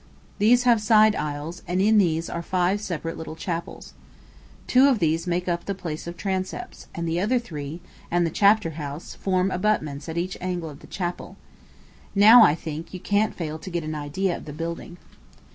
These have side aisles, and in these are five separate little chapels. Two of these make up the place of transepts, and the other three, and the chapter house, form abutments at each angle of the chapel. Now, I think, you can't fail to get an idea of the building.